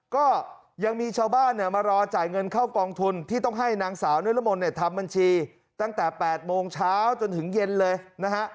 ก็ยังมีชาวบ้านเนี่ยมารอจ่ายเงินเข้ากองทุนที่ต้องให้นางสาวนิรมนต์เนี่ยทำบัญชีตั้งแต่๘โมงเช้าจนถึงเย็นเลยนะฮะ